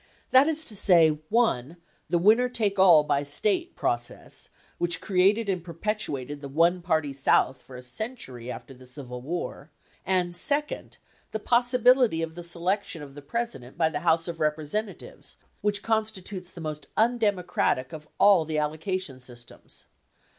That is to say, one, the winner take all by State process, which created and perpetu ated the one party South for a century after the Civil War, and, sec ond, the possibility of the selection of the President by the House of Representatives, which constitutes the most undemocratic of all of the allocation systems.